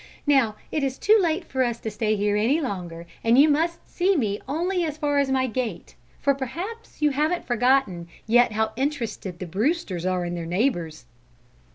"Now it is too late for us to stay here any longer, and you must see me only as far as my gate, for perhaps you haven't forgotten yet how interested the Brewsters are in their neighbours."